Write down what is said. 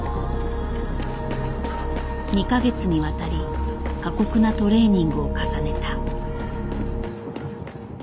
２か月にわたり過酷なトレーニングを重ねた。